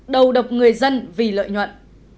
đầu độc người dân vì lợi nhuận